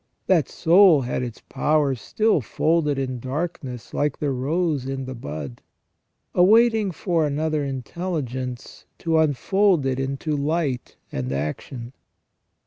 That soul had its powers still folded in darkness like the rose in the bud, awaiting for another intelligence to unfold it into light and action.